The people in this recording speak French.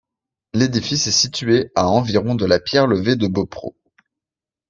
L'édifice est situé à environ de la Pierre Levée de Beaupreau.